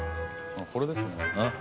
あっこれですね。